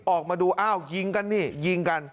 ออกมาดูอ้าวยิงกันนี่ยิงกัน